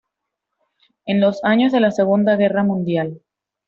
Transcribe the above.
En los años de la Segunda Guerra Mundial.